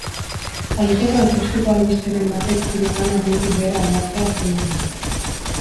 Baliteke ezusteko albisteren batek zure planak goitik behera aldatzea azken momentuan.